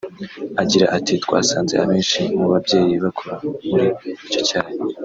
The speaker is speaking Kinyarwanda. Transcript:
Agira ati “Twasanze abenshi mu babyeyi bakora muri icyo cyayi